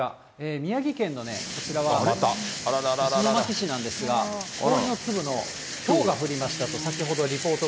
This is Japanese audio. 宮城県のこちらは石巻市なんですが、氷の粒のひょうが降りましたと、先ほどリポートが。